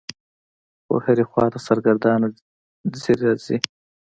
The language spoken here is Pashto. خو هرې خوا ته سرګردانه څي رڅي.